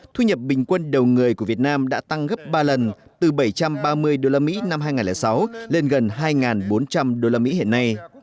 thu nhập bình quân đầu người của việt nam đã tăng gấp ba lần từ bảy trăm ba mươi usd năm hai nghìn sáu lên gần hai bốn trăm linh usd hiện nay